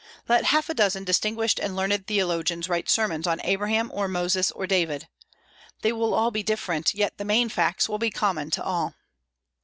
Let half a dozen distinguished and learned theologians write sermons on Abraham or Moses or David: they will all be different, yet the main facts will be common to all.